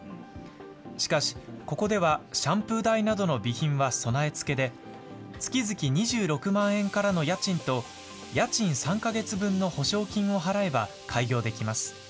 しかし、ここではシャンプー台などの備品は備え付けで、月々２６万円からの家賃と、家賃３か月分の保証金を払えば開業できます。